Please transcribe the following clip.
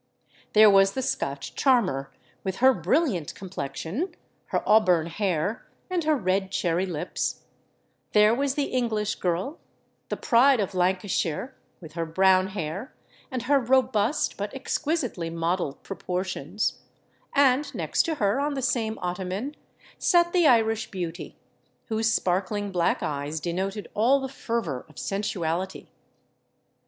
There was the Scotch charmer, with her brilliant complexion, her auburn hair, and her red cherry lips:—there was the English girl—the pride of Lancashire—with her brown hair, and her robust but exquisitely modelled proportions:—and next to her, on the same ottoman, sate the Irish beauty, whose sparkling black eyes denoted all the fervour of sensuality.